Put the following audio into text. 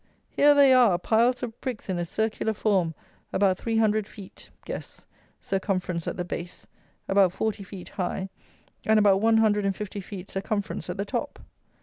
Here they are, piles of bricks in a circular form about three hundred feet circumference at the base, about forty feet high, and about one hundred and fifty feet circumference at the top.